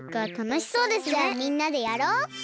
じゃあみんなでやろう！